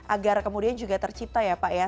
agar kemudian juga tercipta ya pak ya